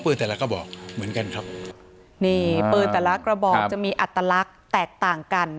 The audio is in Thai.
ปืนแต่ละกระบอกจะมีอัตลักษณ์แตกต่างกัน